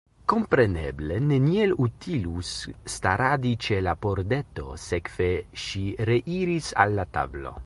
Kompreneble neniel utilus staradi ĉe la pordeto, sekve ŝi reiris al la tablo.